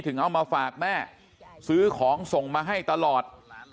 เอามาฝากแม่ซื้อของส่งมาให้ตลอด